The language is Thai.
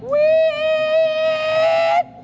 วีด